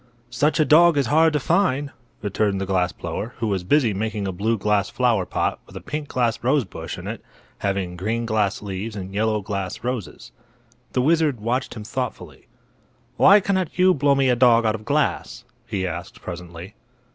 "Such a dog is hard to find," returned the glass blower, who was busy making a blue glass flower pot with a pink glass rosebush in it, having green glass leaves and yellow glass roses. The wizard watched him thoughtfully. "Why cannot you blow me a dog out of glass?" he asked, presently.